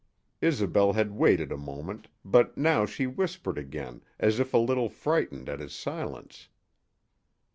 Isobel had waited a moment, but now she whispered again, as if a little frightened at his silence.